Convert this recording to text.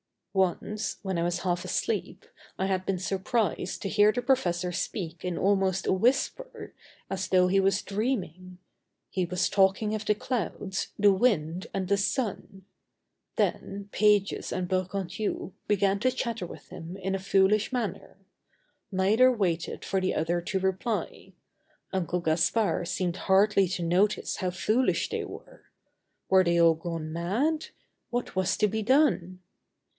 Once, when I was half asleep, I had been surprised to hear the professor speak in almost a whisper, as though he was dreaming. He was talking of the clouds, the wind, and the sun. Then Pages and Bergounhoux began to chatter with him in a foolish manner. Neither waited for the other to reply. Uncle Gaspard seemed hardly to notice how foolish they were. Were they all gone mad? What was to be done?